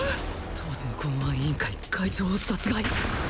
当時の公安委員会会長を殺害！？